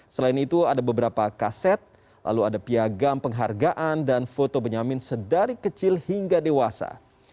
selain itu ada beberapa kaset lalu ada piagam penghargaan dan foto benyamin sedari kecil hingga dewasa